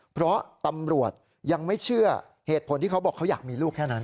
เพราะตำรวจยังไม่เชื่อเหตุผลที่เขาบอกเขาอยากมีลูกแค่นั้น